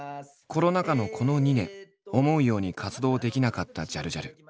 コロナ禍のこの２年思うように活動できなかったジャルジャル。